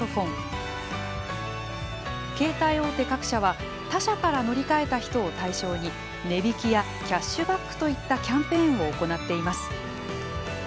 携帯大手各社は他社から乗り換えた人を対象に値引きやキャッシュバックといったキャンペーンを行っています。